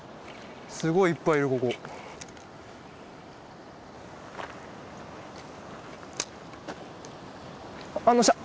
すごいいっぱいいるここ反応した！